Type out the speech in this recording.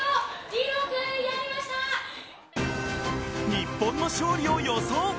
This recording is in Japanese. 日本の勝利を予想。